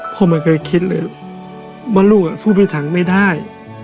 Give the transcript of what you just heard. พ่อไม่เคยคิดเลยว่าลูกสู้ไม่ทันไม่ได้